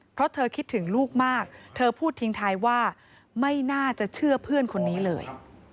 เพราะเธอคิดถึงลูกมากเธอพูดทิ้งท้ายว่าไม่น่าจะเชื่อเพื่อนคนนี้เลย